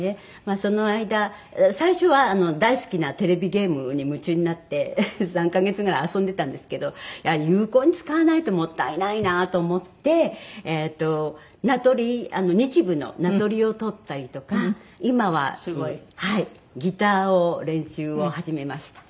その間最初は大好きなテレビゲームに夢中になって３カ月ぐらい遊んでたんですけど有効に使わないともったいないなと思って名取日舞の名取を取ったりとか今はギターを練習を始めました。